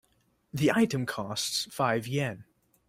The item costs five Yen.